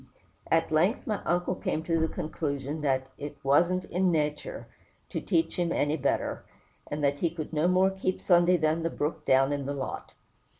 At length my uncle came to the conclusion that "it wasn't in natur' to teach him any better," and that "he could no more keep Sunday than the brook down in the lot."